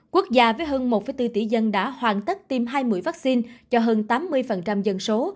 quốc gia với hơn một bốn tỷ dân đã hoàn tất tiêm hai mươi vaccine cho hơn tám mươi dân số